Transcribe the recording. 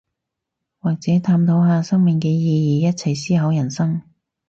或者探討下生命嘅意義，一齊思考人生